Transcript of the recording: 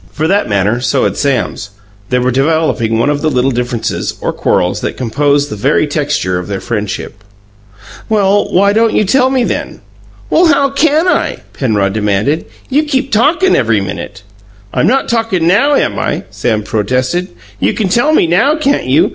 For that matter, so had Sam's; they were developing one of the little differences, or quarrels, that composed the very texture of their friendship. "Well, why don't you tell me, then?" "Well, how can I?" Penrod demanded. "You keep talkin' every minute." "I'm not talkin' NOW, am I?" Sam protested. "You can tell me NOW, can't you?